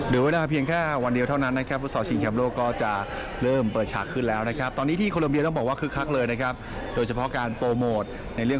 เดี๋ยวเวลาเพียงแค่วันเดียวเท่านั้น